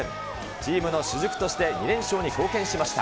チームの主軸として２連勝に貢献しました。